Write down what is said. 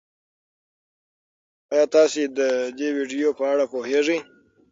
ایا تاسي د دې ویډیو په اړه پوهېږئ؟